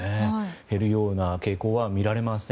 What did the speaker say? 減るような傾向は見られません。